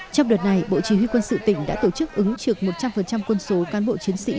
trong đợt này bộ chỉ huy quân sự tỉnh đã tổ chức ứng trực một trăm linh quân số cán bộ chiến sĩ